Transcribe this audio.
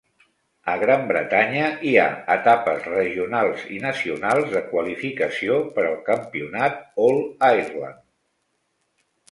A Gran Bretanya hi ha etapes regionals i nacionals de qualificació per al campionat All-Ireland.